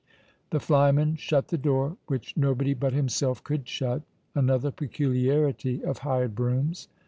The flyman shut the door, which nobody but himself could shut — another peculiarity of hired broughams.